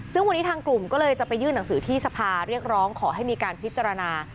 ซึ่งวันนี้ทางกลุ่มก็เลยจะไปยื่นหนังสือที่สภาเรียกร้องขอให้มีการพิจารณา